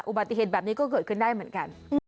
อุบัติเหตุแบบนี้ก็เกิดขึ้นได้เหมือนกัน